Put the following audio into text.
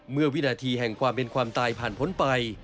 เมื่อวินาทีแห่งความเป็นความตายผ่านผลไป